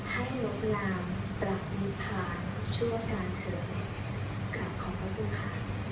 ให้หลวงลามผลักมีผ่านชั่วกันเถิ่นการขอบคุณค่ะ